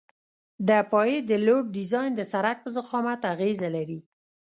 د پایې د لوډ ډیزاین د سرک په ضخامت اغیزه لري